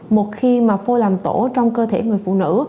một khi mà phô làm tổ trong cơ thể người phụ nữ